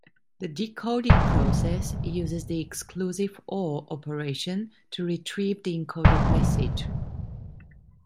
The decoding process uses the "exclusive or" operation to retrieve the encoded message.